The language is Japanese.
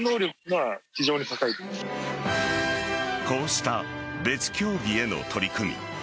こうした別競技への取り組み